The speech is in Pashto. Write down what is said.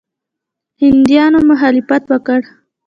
هندیانو مخالفت وکړ.